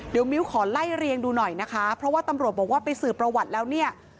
เดี๋ยวมิ้วขอไล่เรียงดูหน่อยนะคะเพราะว่าตำรวจบอกว่าไปสืบประวัติแล้วเนี่ย